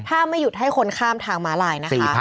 ถ้าไม่หยุดให้คนข้ามทางม้าลายนะคะ